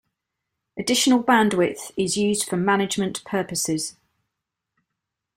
Additional bandwidth is used for management purposes.